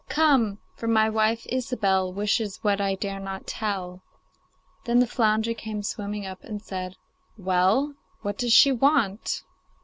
Come! for my wife, Ilsebel, Wishes what I dare not tell.' Then the flounder came swimming up and said, 'Well, what does she want?